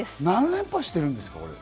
何連覇してるんですか？